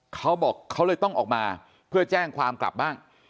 เขาบอกเขาเลยต้องออกมาเพื่อแจ้งความกลับบ้าง